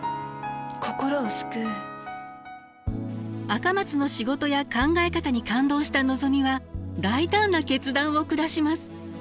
赤松の仕事や考え方に感動したのぞみは大胆な決断を下します。